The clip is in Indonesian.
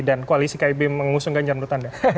dan koalisi kib mengusung ganjar menurut anda